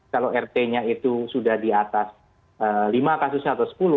kalau rt nya itu sudah di atas lima kasusnya atau sepuluh